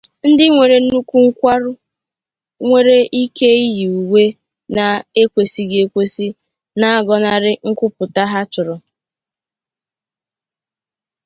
Ndị nwere nnukwu nkwarụ nwere ike iyi uwe na-ekwesịghị ekwesị, na-agọnarị nkwupụta ha chọrọ.